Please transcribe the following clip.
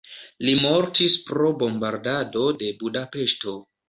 Li mortis pro bombardado de Budapeŝto.